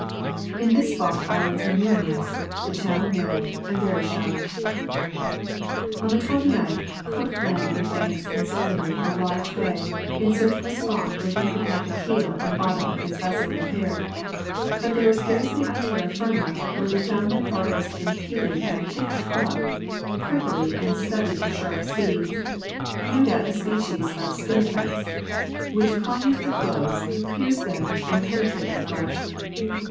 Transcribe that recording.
In this spot islands were numerous, the channel narrow and very shallow. On the 29th, Cook landed with Banks and Solander in a large bay, in search of a spot where he could have the keel and bottom of his vessel repaired, but they were scarcely on terra firma, when they found their progress impeded by a thick shrub, prickly and studded with sharp seeds, no doubt a species of "spinifex," which clung to the clothes, pierced them, and penetrated the flesh.